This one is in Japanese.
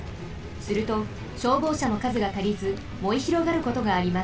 すると消防車のかずがたりずもえひろがることがあります。